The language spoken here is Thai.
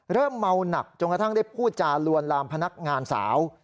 เริ่มเมาหนักจนกระทั่งได้พูดจาลวนลามพนักงานสาว